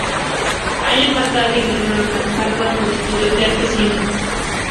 Años más tarde, ingresó a la Universidad Hanyang donde estudió teatro y cine.